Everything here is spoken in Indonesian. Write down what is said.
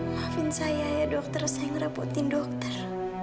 maafin saya ya dokter saya ngerabutin dokter